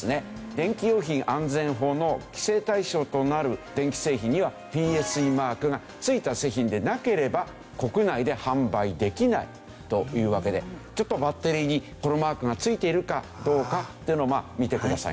電気用品安全法の規制対象となる電気製品にはＰＳＥマークが付いた製品でなければ国内で販売できないというわけでちょっとバッテリーにこのマークが付いているかどうかっていうのを見てくださいね。